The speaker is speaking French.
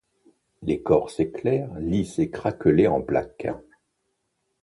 L'écorce est claire, lisse et craquelée en plaques.